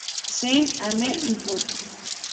Cent.-Amer., Bot.